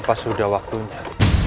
apa sudah waktunya